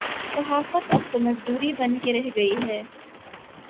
صحافت اب تو مزدوری بن کے رہ گئی ہے۔